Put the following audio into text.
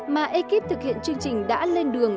mà ekip thực hiện chương trình đã lên đường